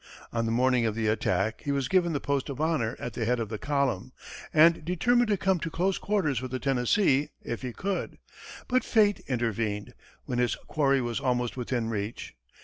On the morning of the attack, he was given the post of honor at the head of the column, and determined to come to close quarters with the Tennessee, if he could. But fate intervened, when his quarry was almost within reach.